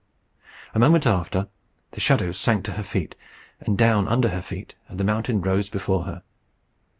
A moment after, the shadows sank to her feet, and down under her feet, and the mountains rose before her.